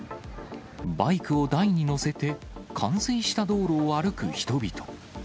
バイクを台に載せて、冠水した道路を歩く人々。